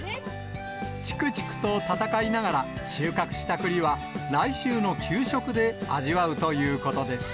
ちくちくと戦いながら、収穫したくりは、来週の給食で味わうということです。